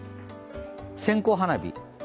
線香花火？